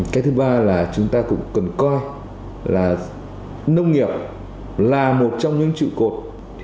cái thứ ba là chúng ta cũng cần coi là nông nghiệp là một trong những trụ cột